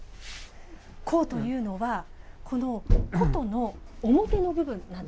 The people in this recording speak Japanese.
甲というのはこの箏の表の部分なんですね。